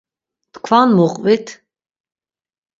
Tkvan mu qvit?